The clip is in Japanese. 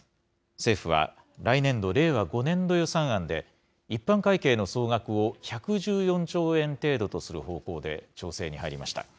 政府は、来年度・令和５年度予算案で、一般会計の総額を１１４兆円程度とする方向で調整に入りました。